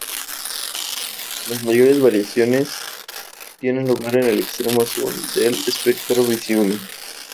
Las mayores variaciones tienen lugar en el extremo azul del espectro visible.